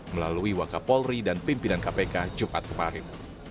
melalui wakapolri dan pimpinan kpk jumat kemarin